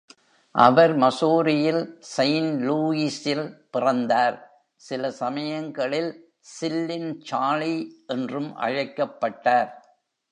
அவர் மசூரியில் செயிண்ட் லூயிஸில் பிறந்தார், சில சமயங்களில் "சில்லின் சார்லி" என்றும் அழைக்கப்பட்டார்.